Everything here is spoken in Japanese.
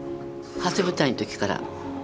初舞台の時から。